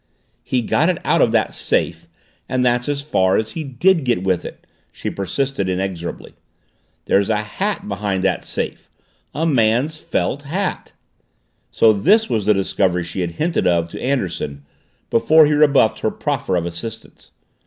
"He got it out of the safe and that's as far as he did get with it," she persisted inexorably. "There's a HAT behind that safe, a man's felt hat!" So this was the discovery she had hinted of to Anderson before he rebuffed her proffer of assistance!